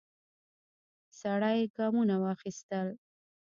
سړی ګامونه واخیستل.